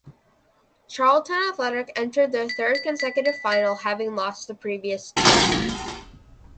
Charlton Athletic entered their third consecutive final having lost the previous two.